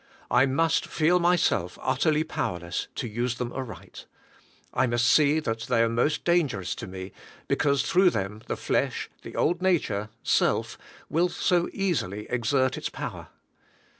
/ must feel myself utterly powerless to use them aright. I must see that they are most dangerous to me, because through them the flesh, the old nature, self, will so easily exert its power.